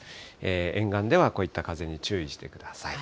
沿岸ではこういった風に注意してください。